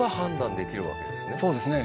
そうですね。